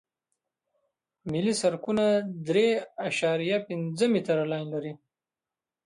ملي سرکونه درې اعشاریه پنځه متره لاین لري